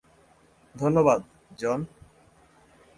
ধন্যবাদ, জন।